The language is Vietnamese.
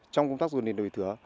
trong công tác dồn điền đổi thửa